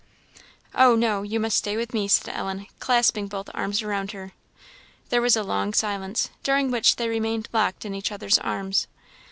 "Oh, no! You must stay with me," said Ellen, clasping both arms around her. There was a long silence, during which they remained locked in each other's arms.